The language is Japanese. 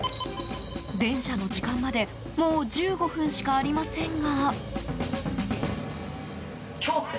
電車の時間までもう１５分しかありませんが。